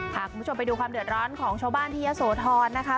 พาคุณผู้ชมไปดูความเดือดร้อนของชาวบ้านที่ยะโสธรนะคะ